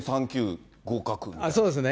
そうですね。